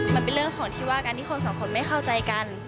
มันเป็นเรื่องของที่ว่าการที่คนสองคนไม่เข้าใจกัน